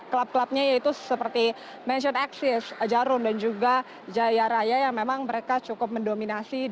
klub klubnya yaitu seperti mansion axis jarum dan juga jaya raya yang memang mereka cukup mendominasi